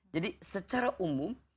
jadi secara umum